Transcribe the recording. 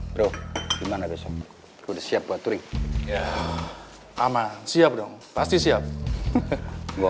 bro gimana besok udah siap buat turing ya aman siap dong pasti siap gua